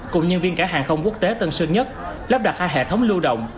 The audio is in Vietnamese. cùng nhân viên cảng hàng không quốc tế tân sơn nhất lắp đặt hai hệ thống lưu động